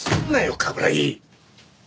冠城。